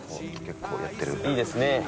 いいですね。